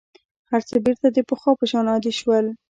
هر څه بېرته د پخوا په شان عادي شول.